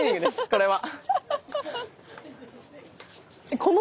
これは。